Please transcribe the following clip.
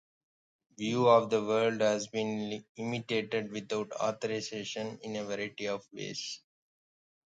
"View of the World" has been imitated without authorization in a variety of ways.